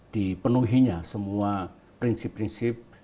dipenuhinya semua prinsip prinsip